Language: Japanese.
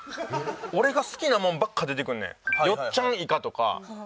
俺が好きなもんばっか出てくんねん。